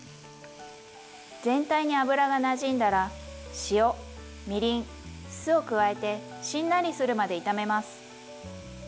全体に油がなじんだら塩みりん酢を加えてしんなりするまで炒めます。